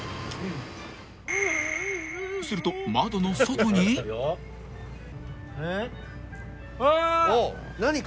［すると窓の外に］えっ？